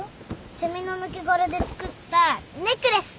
セミの抜け殻で作ったネックレス。